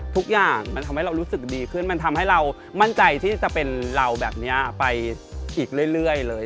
ทุกอย่างมันทำให้เรารู้สึกดีขึ้นมันทำให้เรามั่นใจที่จะเป็นเราแบบนี้ไปอีกเรื่อยเลย